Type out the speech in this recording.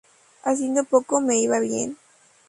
Haciendo poco me iba bien.